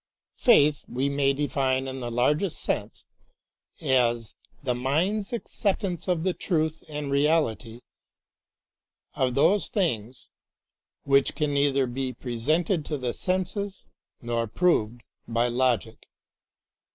Faith we may define in the largest sense as the mincTs acceptance of the truth and reality of those things which can neither he iiresented to the senses nor proved by logic.